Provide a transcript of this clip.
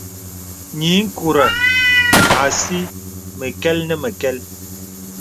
Nyiŋkùrə asì məkɛl nə məkɛl.